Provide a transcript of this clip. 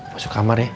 masuk kamar ya